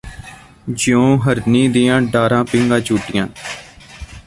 ਜਿਉਂ ਹਰਨੀ ਦੀਆਂ ਡਾਰਾਂ ਪੀਘਾਂ ਝੂਟਦੀਆਂ